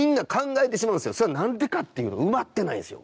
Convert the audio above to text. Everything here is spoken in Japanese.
それはなんでかっていうと埋まってないんですよ。